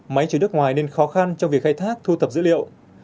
máy chứa nước ngoài nên khó khăn trong việc khai thác thu thập dữ liệu